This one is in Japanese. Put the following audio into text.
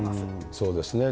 そうですね。